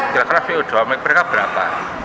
kira kira vo dua max mereka berapa